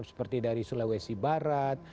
seperti dari sulawesi barat